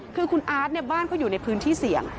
คือคุณอาร์ตบ้านก็อยู่ในพื้นที่เสี่ยง